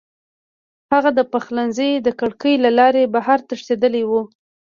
هغه د پخلنځي د کړکۍ له لارې بهر تښتېدلی و